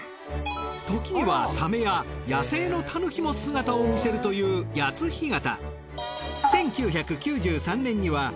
時にはサメや野生のたぬきも姿を見せるという谷津干潟。